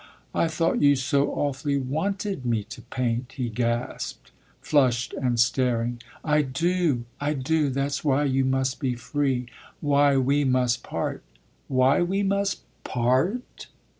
"I thought you so awfully wanted me to paint," he gasped, flushed and staring. "I do I do. That's why you must be free, why we must part?" "Why we must part